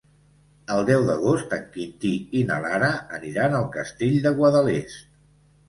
El deu d'agost en Quintí i na Lara aniran al Castell de Guadalest.